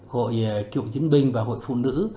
hội kiểu diễn binh và hội phụ nữ